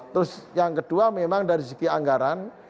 terus yang kedua memang dari segi anggaran